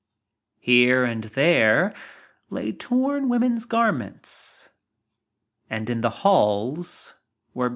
Here and there lay torn women's garments and in the halls were bits of lingere.